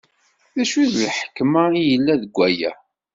D acu n lḥekma i yella deg waya?